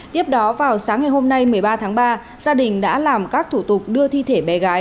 tiếp đó vào sáng ngày hôm nay một mươi ba tháng ba gia đình đã làm các thủ tục đưa thi thể bé gái